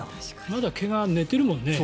まだ毛が寝てるもんね。